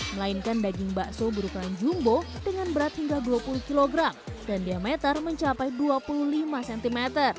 melainkan daging bakso berukuran jumbo dengan berat hingga dua puluh kg dan diameter mencapai dua puluh lima cm